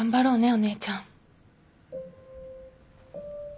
お姉ちゃん。